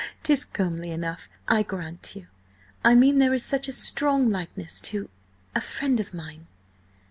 "'Tis comely enough, I grant you! I mean there is such a strong likeness to–a friend of mine."